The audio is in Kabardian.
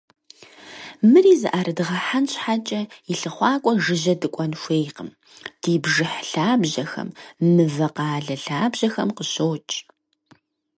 Мыри зыӏэрыдгъэхьэн щхьэкӏэ, и лъыхъуакӏуэ жыжьэ дыкӏуэн хуейкъым: ди бжыхь лъабжьэхэм, мывэкъалэ лъабжьэхэм къыщокӏ.